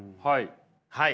はい。